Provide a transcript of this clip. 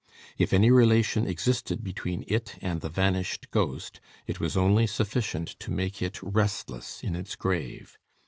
If any relation existed between it and the vanished ghost, it was only sufficient to make it restless in its grave.